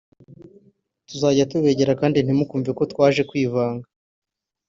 tuzajya tubegera kandi ntimukumve ko twaje kwivanga